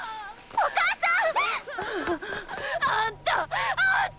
お母さん！